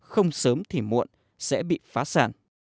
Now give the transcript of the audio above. không sớm thì muộn sẽ bị phá sản